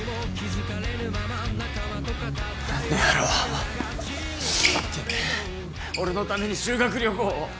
んの野郎てめえ俺のために修学旅行を。